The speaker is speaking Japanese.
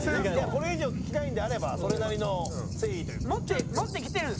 これ以上聞きたいのであればそれなりの誠意というか。